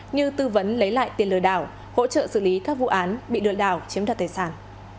như tư vấn lấy lại tiền lừa đảo hỗ trợ xử lý các vụ án bị lừa đảo chiếm đoạt tài sản